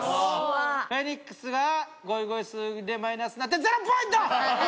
フェニックスがゴイゴイスーでマイナスになってゼロポイント！